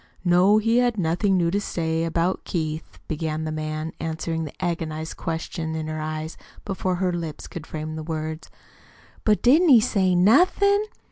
"No, he had nothing new to say about Keith," began the man, answering the agonized question in her eyes before her lips could frame the words. "But didn't he say NOTHIN'?"